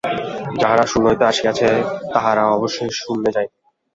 যাহারা শূন্য হইতে আসিয়াছে, তাহারা অবশ্যই শূন্যে যাইবে।